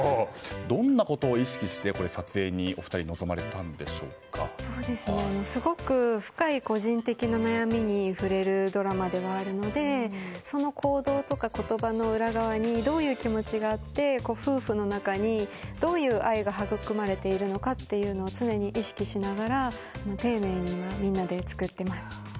どんなことを意識して撮影にお二人はすごく深い個人的な悩みに触れるドラマではあるのでその行動や言葉の裏側にどういう気持ちがあって夫婦の中にどういう愛がはぐくまれているのかというのを常に意識しながら丁寧にみんなで作っています。